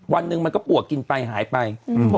วันหนึ่งมันก็ปวกกินไปหายไป